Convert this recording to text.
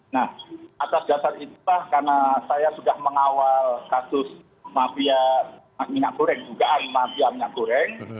nah atas dasar itulah karena saya sudah mengawal kasus mafia minyak goreng dugaan mafia minyak goreng